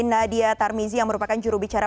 nadia tarmizi yang merupakan jurubicara